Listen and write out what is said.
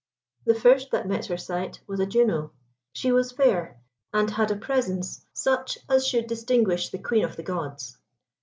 The first that met her sight was a Juno. She was fair and had a presence such as should distinguish the Queen of the Gods.